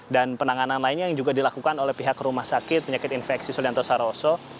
dan penanganan lainnya yang juga dilakukan oleh pihak rumah sakit penyakit infeksi solianto saroso